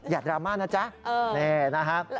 อย่าดราม่านะจ๊ะแน่นะครับ